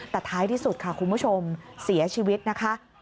แต่ท้ายที่สุดค่ะคุณผู้ชมเสียชีวิตนะคะ